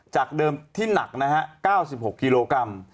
จากเดิมที่หนักนะฮะ๙๖กิโลกรัม